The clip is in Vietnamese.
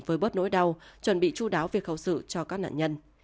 với bớt nỗi đau chuẩn bị chú đáo về khẩu sự cho các nạn nhân